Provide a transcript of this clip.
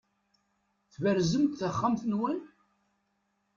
Tberzem-d taxxamt-nwen?